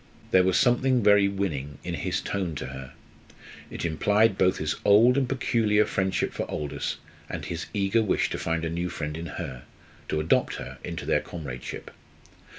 There was something very winning in his tone to her. It implied both his old and peculiar friendship for Aldous, and his eager wish to find a new friend in her to adopt her into their comradeship.